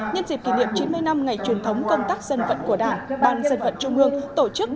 nhân dịp kỷ niệm chín mươi năm ngày truyền thống công tác dân vận của đảng ban dân vận trung ương tổ chức